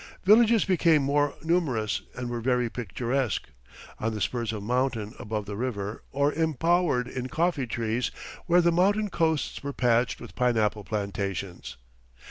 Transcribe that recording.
Villages became more numerous and were very picturesque, on the spurs of mountain above the river, or embowered in coffee trees, where the mountain coasts were patched with pineapple plantations.